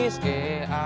jangan ada perang